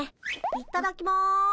いただきます。